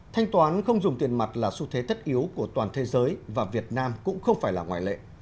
thanh toán không dùng tiền mặt là xu thế tất yếu của toàn thế giới và việt nam cũng không phải là ngoại lệ